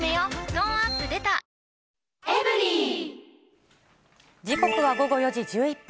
トーンアップ出た時刻は午後４時１１分。